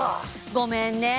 ごめんね。